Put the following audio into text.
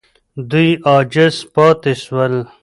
دوی عاجز پاتې سول.